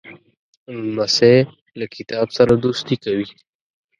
لمسی له کتاب سره دوستي کوي.